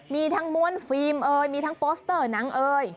มีทั้งมวลฟิล์มมีทั้งโปสเตอร์หนัง